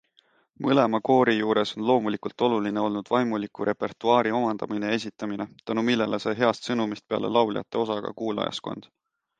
Mõlema koori juures on loomulikult oluline olnud vaimuliku repertuaari omandamine ja esitamine, tänu millele sai heast sõnumist peale lauljate osa ka kuulajaskond.